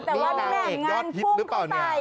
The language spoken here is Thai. แต่ว่าพี่แหม่งานพุ่งเข้าไป